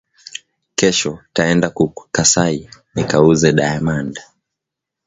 Kesho taenda ku kasayi nika uze diamand